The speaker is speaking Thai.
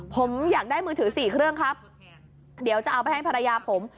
ผมอยากได้มือถือ๔เครื่องครับเดี๋ยวจะเอาไปให้ภรรยาผม